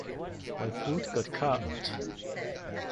My foot got caught.